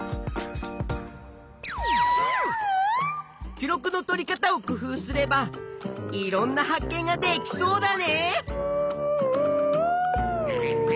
記録のとり方を工夫すればいろんな発見ができそうだね！